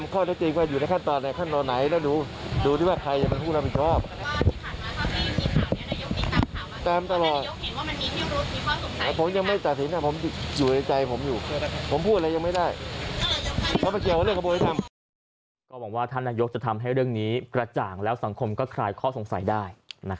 ก็หวังท่านนายกจะทำให้เรื่องนี้กระจ่างแล้วสังคมก็คลายข้อสงสัยได้